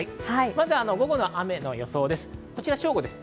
まず午後の雨の予想です。